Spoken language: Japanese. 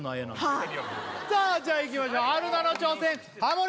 はいさあじゃあいきましょう春菜の挑戦ハモリ